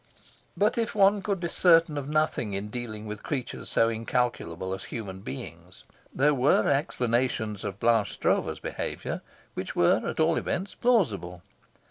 But if one could be certain of nothing in dealing with creatures so incalculable as human beings, there were explanations of Blanche Stroeve's behaviour which were at all events plausible.